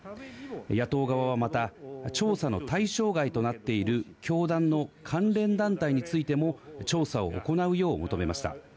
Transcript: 野党側はまた調査の対象外となっている教団の関連団体についても調査を行うよう求めました。